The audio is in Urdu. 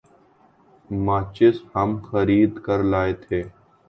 ماچس ہم خرید کر لائے تھے ۔